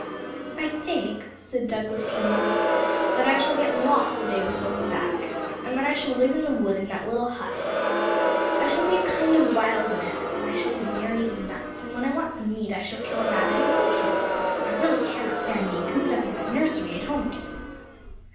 'I think,' said Douglas slowly, 'that I shall get lost the day we are going back; and then I shall live in the wood in that little hut; I shall be a kind of wild man; and I shall eat berries and nuts, and when I want some meat I shall kill a rabbit, and cook him! I really cannot stand being cooped up in that nursery at home again.'